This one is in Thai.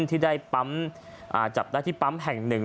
ที่ได้ปั๊มจับได้ที่ปั๊มแห่งหนึ่ง